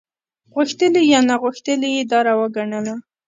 غوښتلي یا ناغوښتلي یې دا روا ګڼله.